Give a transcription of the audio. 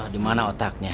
di mana otaknya